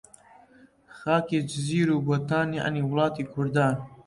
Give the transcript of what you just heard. خاکی جزیر و بۆتان، یەعنی وڵاتی کوردان